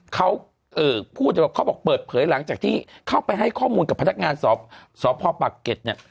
เขาบอกเปิดเผยหลังจากที่เข้าไปให้ข้อมูลกับพนักงานสอบพ่อปากเก็ต